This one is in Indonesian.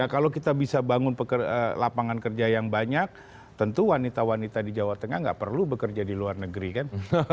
kalau kita bisa bangun lapangan kerja yang banyak tentu wanita wanita di jawa tengah nggak perlu bekerja di luar negeri kan